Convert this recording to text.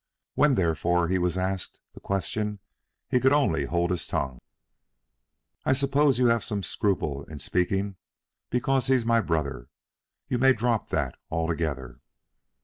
When, therefore, he was asked the question he could only hold his tongue. "I suppose you have some scruple in speaking because he's my brother? You may drop that altogether."